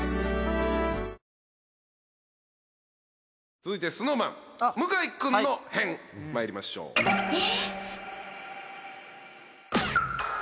続いてＳｎｏｗＭａｎ向井君の変まいりましょうえ！